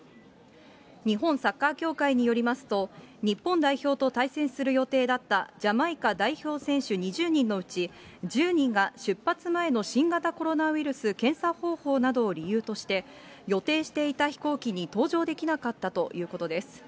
日本サッカー協会によりますと、日本代表と対戦する予定だったジャマイカ代表選手２０人のうち、１０人が出発前の新型コロナウイルス検査方法などを理由として、予定していた飛行機に搭乗できなかったということです。